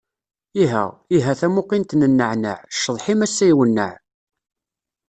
Iha, iha tamuqint n naɛnaɛ, cceḍḥ-im ass-a iwenneɛ.